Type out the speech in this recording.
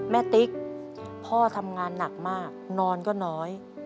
ติ๊กพ่อทำงานหนักมากนอนก็น้อย